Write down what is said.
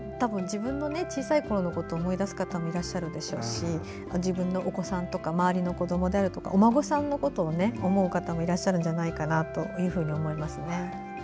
たぶん自分の小さいころを思い出す方もいらっしゃるでしょうし自分のお子さんや周りのお子さんお孫さんのことを思う方もいらっしゃるんじゃないかと思います。